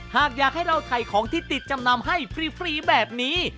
หากอยากให้เราถ่ายของที่ติดจำนำให้ฟรีแบบนี้